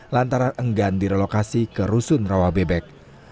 lantaran enggan direlokasi ke rusunawa rawabebek